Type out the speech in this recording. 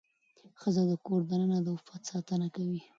ښځه د کور دننه د عفت ساتنه کوي.